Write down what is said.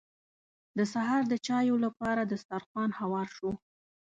د سهار د چايو لپاره دسترخوان هوار شو.